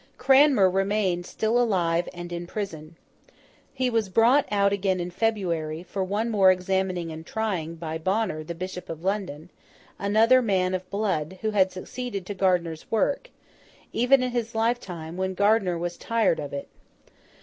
Cranmer remained still alive and in prison. He was brought out again in February, for more examining and trying, by Bonner, Bishop of London: another man of blood, who had succeeded to Gardiner's work, even in his lifetime, when Gardiner was tired of it.